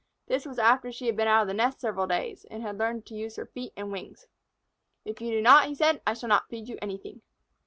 This was after she had been out of the nest several days, and had learned to use her feet and wings. "If you do not," he said, "I shall not feed you anything."